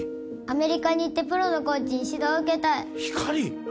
アメリカに行ってプロのコーチに指導を受けたいひかり！？